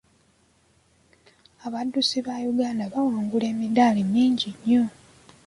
Abaddusi ba Uganda bawangula emidaali mingi nnyo.